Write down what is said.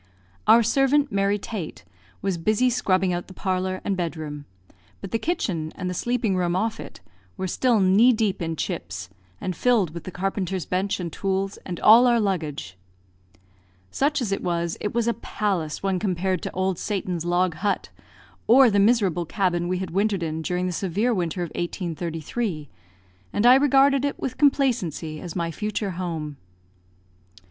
Our servant, Mary Tate, was busy scrubbing out the parlour and bed room; but the kitchen, and the sleeping room off it, were still knee deep in chips, and filled with the carpenter's bench and tools, and all our luggage. Such as it was, it was a palace when compared to Old Satan's log hut, or the miserable cabin we had wintered in during the severe winter of 1833, and I regarded it with complacency as my future home.